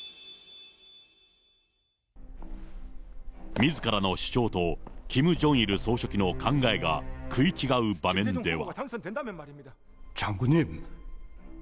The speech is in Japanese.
みずからの主張とキム・ジョンイル総書記の考えが食い違う場面では。